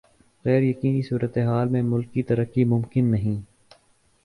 غیر یقینی صورتحال میں ملکی ترقی ممکن نہیں